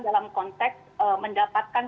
dalam konteks mendapatkan